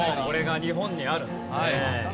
これが日本にあるんですね。